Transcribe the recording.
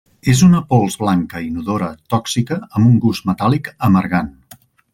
És una pols blanca inodora tòxica amb un gust metàl·lic amargant.